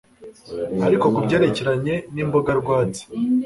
Ariko ku byerekeranye nimboga rwatsi